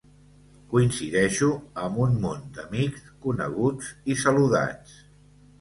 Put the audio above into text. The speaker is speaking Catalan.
Coincideixo amb un munt d'amics, coneguts i saludats.